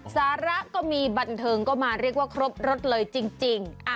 สาระก็มีบันเทิงก็มาเรียกว่าครบรถเลยจริง